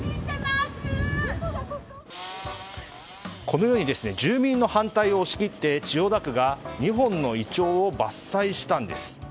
このように住民の反対を押し切って千代田区が２本のイチョウを伐採したんです。